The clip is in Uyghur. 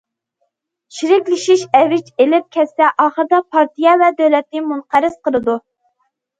چىرىكلىشىش ئەۋج ئېلىپ كەتسە، ئاخىرىدا پارتىيە ۋە دۆلەتنى مۇنقەرز قىلىدۇ!